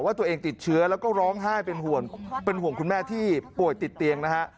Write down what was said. ว่าตัวเองติดเชื้อแล้วก็ร้องไห้เป็นห่วงคุณแม่ที่ป่วยติดเตียงนะฮะ